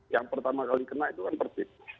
yang pertama kali kena itu kan persib